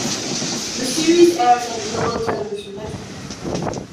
The series airs on the Global Television Network.